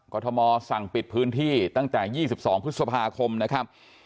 ทมสั่งปิดพื้นที่ตั้งแต่๒๒พฤษภาคมนะครับ